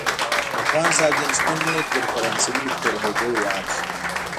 افغان سعدالدین شپون مې تر فرانسوي ویکتور هوګو ياد شو.